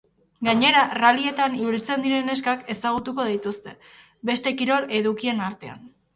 Gainera, rallyetan ibiltzen diren neskak ezagutuko dituzte, beste kirol edukien artean.